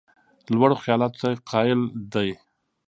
لوړو خیالونو ته قایل دی.